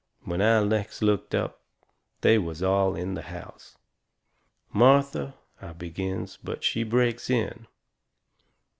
When I next looked up they was all in the house. "Martha " I begins. But she breaks in.